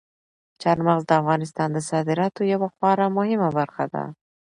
چار مغز د افغانستان د صادراتو یوه خورا مهمه برخه ده.